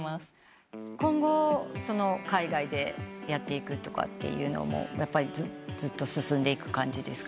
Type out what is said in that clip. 今後海外でやっていくというのもずっと進んでいく感じですか？